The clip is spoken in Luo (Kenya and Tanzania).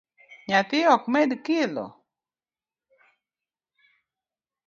Nyathi ok med kilo?